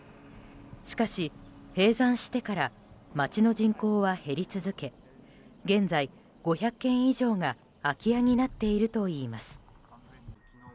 しかし、閉山してから街の人口は減り続け現在、５００軒以上が空き家になっているといいます。